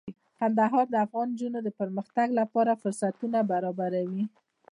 کندهار د افغان نجونو د پرمختګ لپاره فرصتونه برابروي.